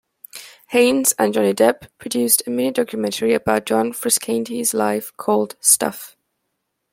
Haynes and Johnny Depp produced a mini-documentary about John Frusciante's life called "Stuff".